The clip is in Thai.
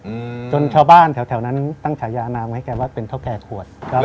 อืมจนชาวบ้านแถวแถวนั้นตั้งฉายานามให้แกว่าเป็นเท่าแก่ขวดครับ